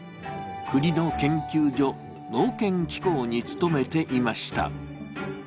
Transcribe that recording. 国の研究所、農研機構に勤めていました。